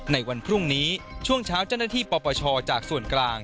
ในวันพรุ่งนี้ช่วงเช้าเจ้าหน้าที่ปปชจากส่วนกลาง